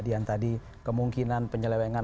dian tadi kemungkinan penyelewengan